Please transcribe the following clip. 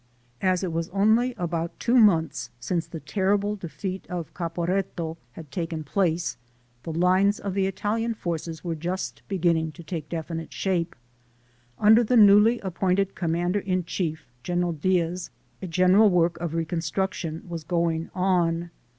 As it was only about two months since the terrible defeat of "Caporetto" had taken place, the lines of the Italian forces were just beginning to take definite shape. Under the newly appointed Commander in Chief, General Diaz, a gen eral work of reconstruction was going on.